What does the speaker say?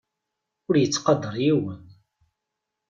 Ur ittqadar yiwen.